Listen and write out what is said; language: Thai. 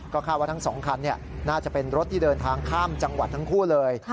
คาดว่าทั้งสองคันน่าจะเป็นรถที่เดินทางข้ามจังหวัดทั้งคู่เลย